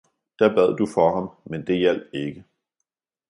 da bad du for ham, men det hjalp ikke.